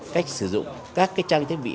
cách sử dụng các cái trang thiết bị